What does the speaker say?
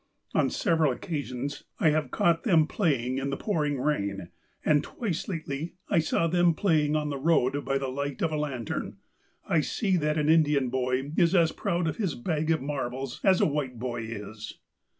On several occasions I have caught them playing in pouring rain ; and, twice lately, I saw them playing on the road by the light of a lantern. I see that an Indian boy is as proud of his bag of marbles as a white boy is.